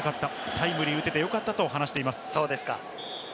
タイムリーを打てて良かったと話しています。